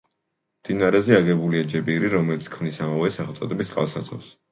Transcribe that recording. მდინარეზე აგებულია ჯებირი, რომელიც ქმნის ამავე სახელწოდების წყალსაცავს.